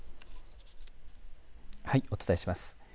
お伝えします。